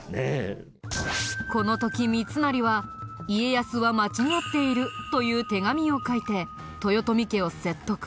この時三成は「家康は間違っている」という手紙を書いて豊臣家を説得。